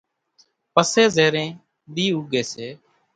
پسي زيرين ۮي اُوڳي سي